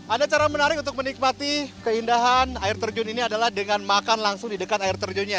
ada cara menarik untuk menikmati keindahan air terjun ini adalah dengan makan langsung di dekat air terjunnya